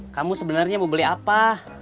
kamu sebenarnya mau beli apa